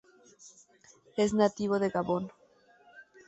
Es nativo de Gabón.